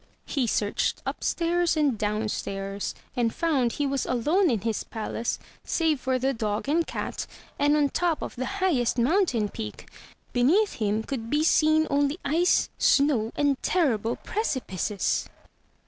He searched upstairs and downstairs, and found he was alone in his palace save for 342 THROUGH FAIRY HALLS the dog and cat, and on the top of the highest mountain peak. Beneath him could be seen only ice, snow, and terrible precipices!